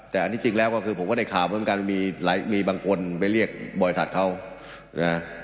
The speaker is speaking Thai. แต่อันนี้จริงแล้วก็คือผมก็ได้ข่าวเหมือนกันมีหลายมีบางคนไปเรียกบริษัทเขานะ